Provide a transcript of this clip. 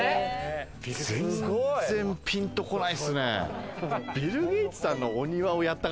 全然ピンとこないですね。